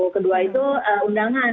kedua itu undangan